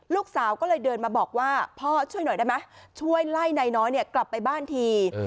ลูกสาวก็เลยเดินมาบอกว่าพ่อช่วยหน่อยได้ไหมช่วยไล่นายน้อยกลับไปบ้านที